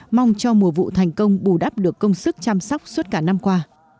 mong cho mùa vụ thành công bù đắp được công sức chăm sóc suốt cả năm qua